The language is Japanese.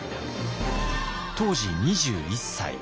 当時２１歳。